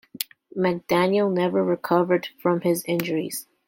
McDaniel never recovered from his injuries.